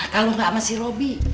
kalau gak sama si robby